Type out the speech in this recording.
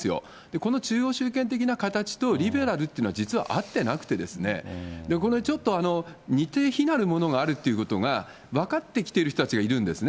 この中央集権的な形とリベラルというのは、実はあってなくて、このちょっと、似て非なるものがあるっていうことが、分かってきている人たちがいるんですね。